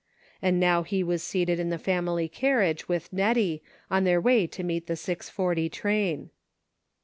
And now he was seated in the family carriage with Net tie, on their way to meet the six forty train.